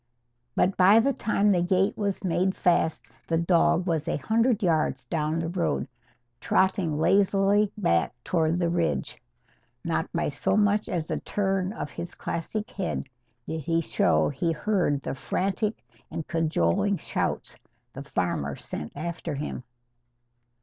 But by the time the gate was made fast the dog was a hundred yards down the road, trotting lazily back toward the ridge. Not by so much as a turn of his classic head did he show he heard the frantic and cajoling shouts the farmer sent after him.